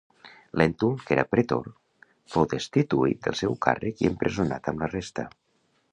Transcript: Lèntul, que era pretor, fou destituït del seu càrrec i empresonat amb la resta.